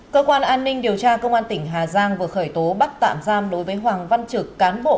cơ quan an ninh điều tra công an tỉnh hà giang vừa khởi tố bắt tạm giam đối với hoàng văn trực cán bộ